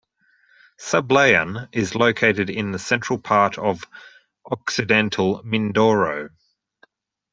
Sablayan is located in the central part of Occidental Mindoro.